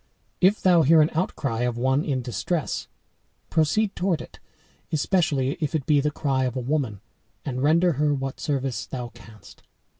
If thou hear an outcry of one in distress, proceed toward it, especially if it be the cry of a woman, and render her what service thou canst.